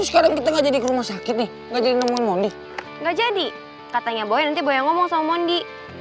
sekarang kita nggak jadi ke rumah sakit nih nggak jadi nggak jadi katanya boy ngomong sama mondi